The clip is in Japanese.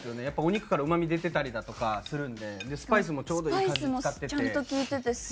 やっぱお肉からうまみ出てたりだとかするんででスパイスもちょうどいい感じに使ってて。